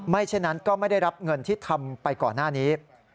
เช่นนั้นก็ไม่ได้รับเงินที่ทำไปก่อนหน้านี้